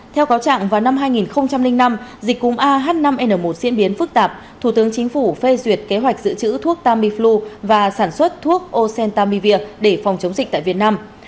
theo cáo trạng vào năm hai nghìn năm dịch cúm ah năm n một diễn biến phức tạp thủ tướng chính phủ phê duyệt kế hoạch giữ chữ thuốc tamiflu và sản xuất thuốc osen tamivia